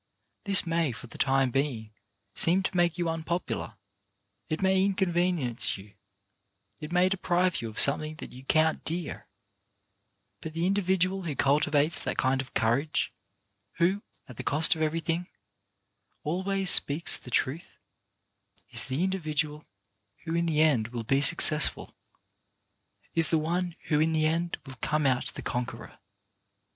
This may, for the time being, seem to make you unpopular ; it may inconvenience you, it may de prive you of something that you count dear; but the individual who cultivates that kind of courage, who, at the cost of everything, always speaks the truth, is the individual who in the end will be suc cessful, is the one who in the end will come out the conqueror.